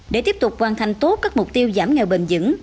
để tiếp tục hoàn thành tốt các mục tiêu giảm nghèo bền dững